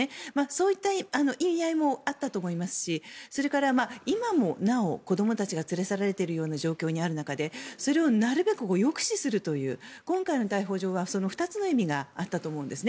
そういった意味合いもあったと思いますしそれから今もなお子どもたちが連れ去られているような状況にある中でそれをなるべく抑止するという今回の逮捕状はその２つの意味があったと思うんです。